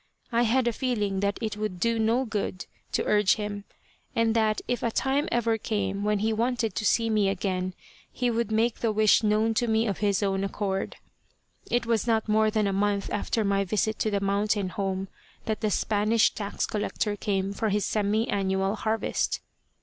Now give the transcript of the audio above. I had a feeling that it would do no good to urge him, and that if a time ever came when he wanted to see me again he would make the wish known to me of his own accord. It was not more than a month after my visit to the mountain home that the Spanish tax collector came for his semi annual harvest.